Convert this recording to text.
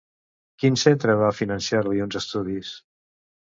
Quin centre va finançar-li uns estudis?